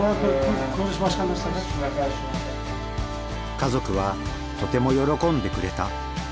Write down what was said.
家族はとても喜んでくれた。